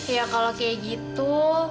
ya kalau kayak gitu